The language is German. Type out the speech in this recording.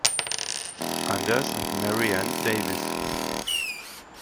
Anders und Mary Ann Davis.